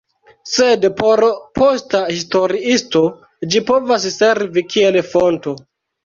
Sed por posta historiisto ĝi povas servi kiel fonto.